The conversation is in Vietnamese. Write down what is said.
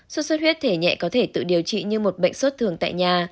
suốt suốt huyết thể nhẹ có thể tự điều trị như một bệnh suốt thường tại nhà